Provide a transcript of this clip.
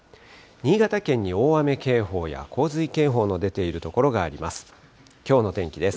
新潟県に大雨警報や洪水警報の出ている所があります。